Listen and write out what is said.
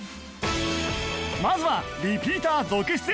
まずはリピーター続出！